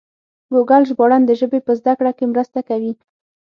ګوګل ژباړن د ژبې په زده کړه کې مرسته کوي.